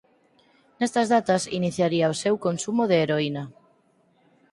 Nestas datas iniciaría o seu consumo de heroína.